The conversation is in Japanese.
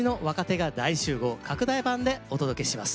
拡大版でお届けします。